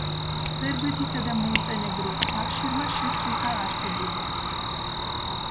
სერბეთისა და მონტენეგროს კავშირმა შეწყვიტა არსებობა.